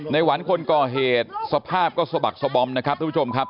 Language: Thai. หวันคนก่อเหตุสภาพก็สะบักสบอมนะครับทุกผู้ชมครับ